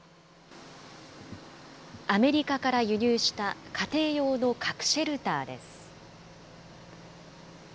アメリカから輸入した家庭用の核シェルターです。